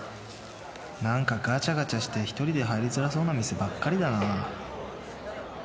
何かガチャガチャして一人で入りづらそうな店ばっかりだな